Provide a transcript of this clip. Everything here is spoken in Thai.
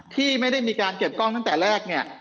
ที่ไม่ได้มีการเก็บกล้องตั้งแต่แรกเนี่ย